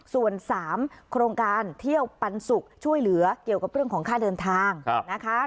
ส่วน๓โครงการเที่ยวปันสุกช่วยเหลือเกี่ยวกับเรื่องของค่าเดินทางนะคะ